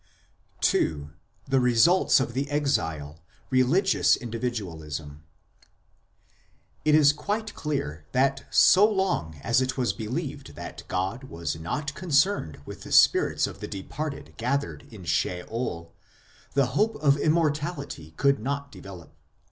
II. THE RESULTS OF THE EXILE : RELIGIOUS INDI VIDUALISM It is quite clear that so long as it was believed that God was not concerned with the spirits of the departed gathered in Sheol, the hope of Immortality could not develop.